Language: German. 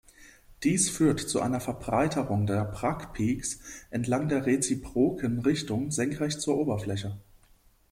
Dies führt zu einer Verbreiterung der Bragg-Peaks entlang der reziproken Richtung senkrecht zur Oberfläche.